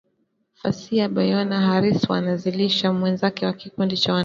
Facia Boyenoh Harris mwanzilishi mwenza wa kikundi cha wanawake